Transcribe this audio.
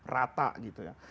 rata gitu ya